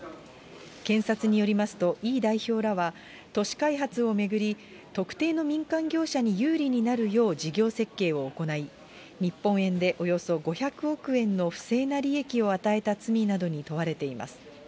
検察によりますと、イ代表らは、都市開発を巡り、特定の民間業者に有利になるよう事業設計を行い、日本円でおよそ５００億円の不正な利益を与えた罪などに問われています。